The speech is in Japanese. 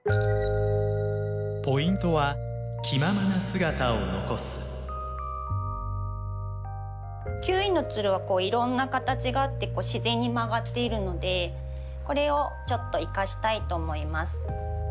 ポイントはキウイのツルはいろんな形があって自然に曲がっているのでこれをちょっと生かしたいと思います。